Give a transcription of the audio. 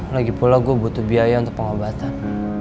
lagipula gue butuh biaya untuk pengobatan